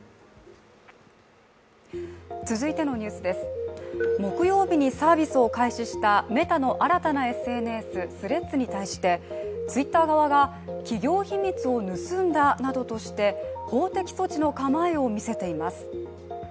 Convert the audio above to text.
続いてのニュースです、木曜日にサービスを開始したメタの新たなＳＮＳ、Ｔｈｒｅａｄｓに対して、Ｔｗｉｔｔｅｒ側が企業秘密を盗んだなどとして法的措置の構えを見せています。